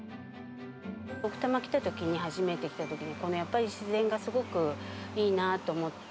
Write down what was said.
奥多摩来たときに、初めて来たときに、やっぱり自然がすごくいいなと思って。